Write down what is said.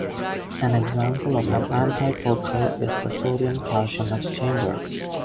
An example of an antiporter is the sodium-calcium exchanger.